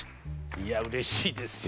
いやうれしいですよ